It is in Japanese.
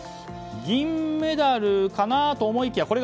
銀メダルかなと思いきや